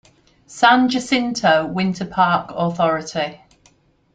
San Jacinto Winter Park Authority.